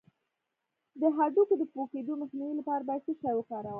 د هډوکو د پوکیدو مخنیوي لپاره باید څه شی وکاروم؟